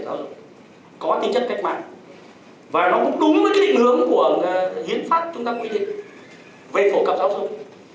cơ sở giáo dục có tính chất cách mạng và nó cũng đúng với định hướng của hiến pháp chúng ta quyết định về phổ cập giáo dục